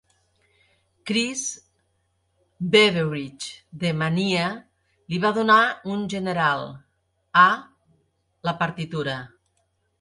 Chris Beveridge de "mania" li va donar un general "A-" la partitura.